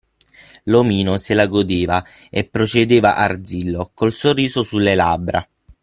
L'omino se la godeva e procedeva arzillo, col sorriso sulle labbra.